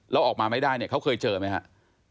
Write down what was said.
แล้วออกมาไม่ได้เนี่ยเขาเคยเจอไหมครับ